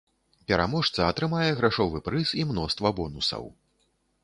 Пераможца атрымае грашовы прыз і мноства бонусаў.